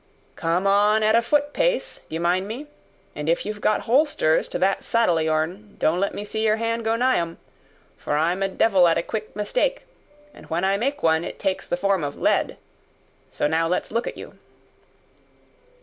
"Come on at a footpace! d'ye mind me? And if you've got holsters to that saddle o' yourn, don't let me see your hand go nigh 'em. For I'm a devil at a quick mistake, and when I make one it takes the form of Lead. So now let's look at you."